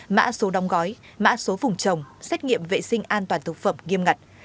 mã số đóng gói mã số vùng trồng xét nghiệm vệ sinh an toàn thực phẩm nghiêm ngặt